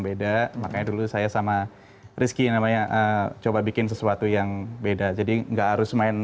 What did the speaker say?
beda makanya dulu saya sama rizky namanya coba bikin sesuatu yang beda jadi enggak harus main